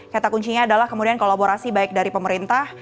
kata kuncinya adalah kemudian kolaborasi baik dari pemerintah